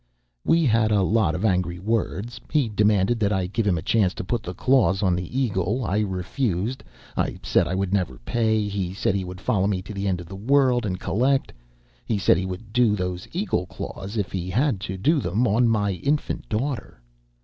"We had a lot of angry words. He demanded that I give him a chance to put the claws on the eagle. I refused. I said I would never pay. He said he would follow me to the end of the world and collect. He said he would do those eagle claws if he had to do them on my infant daughter.